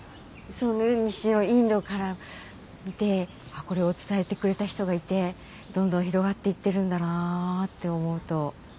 西のインドから見てこれを伝えてくれた人がいてどんどん広がっていってるんだなって思うと。